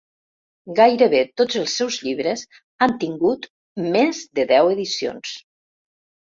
Gairebé tots els seus llibres han tingut més de deu edicions.